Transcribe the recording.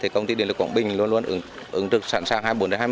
công ty điện lực quảng bình luôn luôn ứng được sẵn sàng hai mươi bốn hai mươi bốn